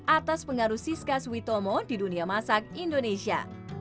atas pengaruh siska switomo di dunia masak indonesia